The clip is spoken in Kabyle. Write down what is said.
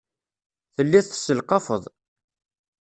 Telliḍ tesselqafeḍ.